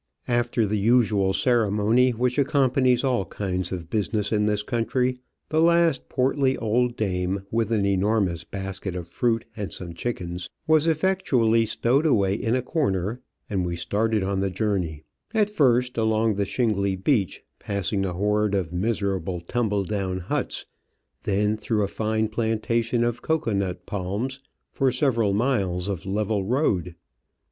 After the usual ceremony which accompanies all kinds of busi ness in this country, the last portly old dame, with an enormous basket of fruit and some chickens, was effectually stowed away in a corner and we started on the journey ; at first along the shingly beach, passing a horde of miserable tumble down huts, then through a fine plantation of cocoa nut palms for several miles of level road.